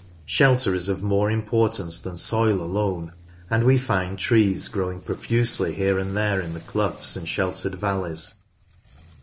Shelter is of more importance than soil alone, and we find trees growing profusely here and there in the doughs and sheltered valleys.